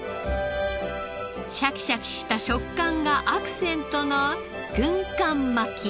シャキシャキした食感がアクセントの軍艦巻き。